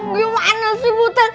gimana sih buta